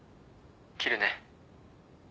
切るね。